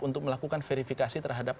untuk melakukan verifikasi terhadap